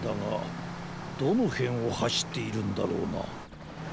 どのへんをはしっているんだろうな。